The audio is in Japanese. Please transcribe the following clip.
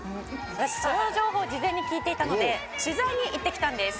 「私その情報を事前に聞いていたので取材に行ってきたんです」